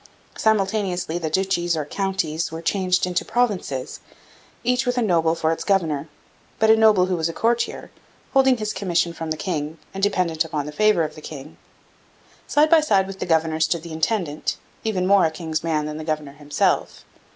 Simultaneously the duchies or counties were changed into provinces, each with a noble for its governor but a noble who was a courtier, holding his commission from the king and dependent upon the favour of the king. Side by side with the governor stood the intendant, even more a king's man than the governor himself.